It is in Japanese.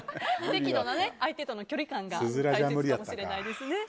適度な相手との距離感が大切かもしれないですね。